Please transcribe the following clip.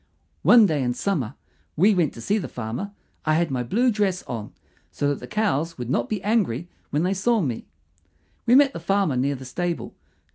One day in summer we went to see the farmer. I had my blue dress on, so that the cows would not be angry when they saw me. We met the farmer near the stable.